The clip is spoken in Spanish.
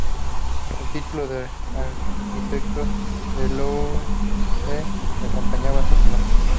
El título de arquitecto del Louvre le acompañaría hasta su muerte.